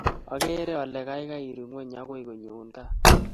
Akere ale kaikai iru ng'weny akoi konyoun gaat